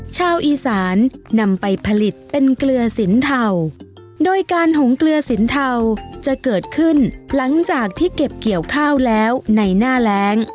ชาวอีสานนำไปผลิตเป็นเกลือสินเทาโดยการหงเกลือสินเทาจะเกิดขึ้นหลังจากที่เก็บเกี่ยวข้าวแล้วในหน้าแรง